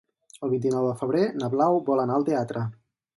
El vint-i-nou de febrer na Blau vol anar al teatre.